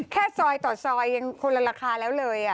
แค่ซอยต่อซอยยังคนละราคาแล้วเลย